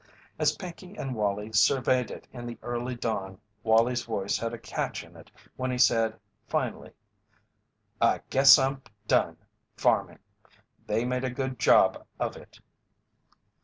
As Pinkey and Wallie surveyed it in the early dawn Wallie's voice had a catch in it when he said finally: "I guess I'm done farming. They made a good job of it."